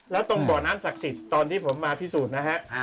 แล้วตรงบ่อน้ำศักดิ์สิทธิ์ตอนที่ผมมาพิสูจน์นะฮะ